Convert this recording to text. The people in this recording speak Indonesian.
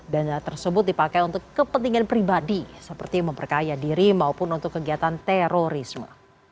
dana tersebut dipakai untuk kepentingan pribadi seperti memperkaya diri maupun untuk kegiatan terorisme